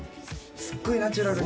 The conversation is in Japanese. すごいナチュラルに。